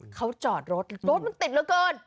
เขาจอดรถรถมันติดเหลือเกิน